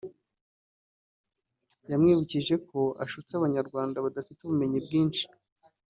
yamwibukije ko ashutse Abanyarwanda badafite ubumenyi bwinshi